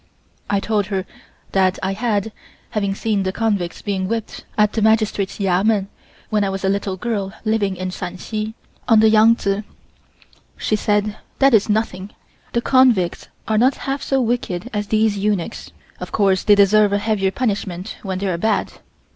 I told her that I had, having seen the convicts being whipped at a Magistrate's Yamen when I was a little girl living at Shansi (on the Yangtsze). She said: "That is nothing. The convicts are not half so wicked as these eunuchs. Of course they deserve a heavier punishment when they are bad."